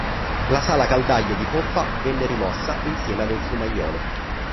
La sala caldaie di poppa venne rimossa insieme ad un fumaiolo.